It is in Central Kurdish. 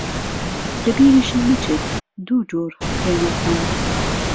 لە بیریشت نەچێت دوو جۆر خوێنەر هەن